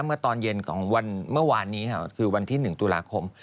เมื่อตอนเย็นของวันเมื่อวานนี้ค่ะคือวันที่๑ตุลาคม